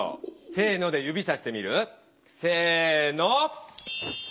「せの」で指さしてみる？せの。